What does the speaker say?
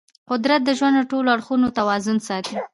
قدرت د ژوند د ټولو اړخونو توازن ساتي.